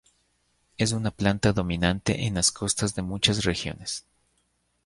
Es una planta dominante en las costas de muchas regiones.